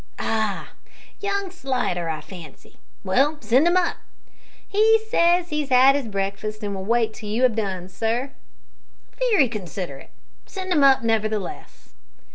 "Ah! young Slidder, I fancy. Well, send him up." "He says he's 'ad his breakfast an' will wait till you have done, sir." "Very considerate. Send him up nevertheless."